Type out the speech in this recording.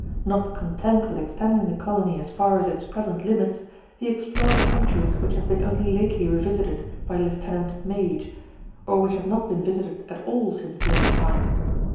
Not content with extending the colony as far as its present limits, he explored countries which have been only lately revisited by Lieutenant Mage, or which have not been visited at all since Brue's time.